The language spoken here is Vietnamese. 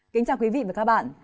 kính chào quý vị và các bạn